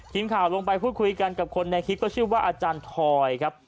ทีมข่าวลงไปพูดคุยกันกับคนในคลิปก็ชื่อว่าอาจารย์ทอยครับ